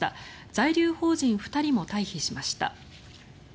在留邦人２人も退避しました。